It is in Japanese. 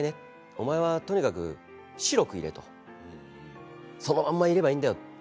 お前はとにかく白くいろとそのままいればいいんだよ。